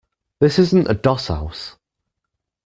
This isn't a doss house.